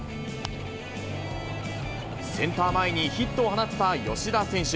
センター前にヒットを放った吉田選手。